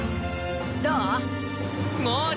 どう？